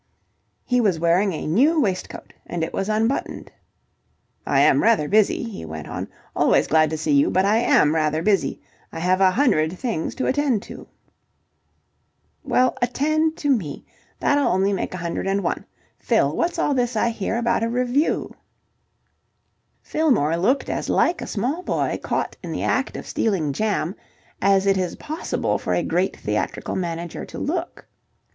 He was wearing a new waistcoat and it was unbuttoned. "I am rather busy," he went on. "Always glad to see you, but I am rather busy. I have a hundred things to attend to." "Well, attend to me. That'll only make a hundred and one. Fill, what's all this I hear about a revue?" Fillmore looked as like a small boy caught in the act of stealing jam as it is possible for a great theatrical manager to look.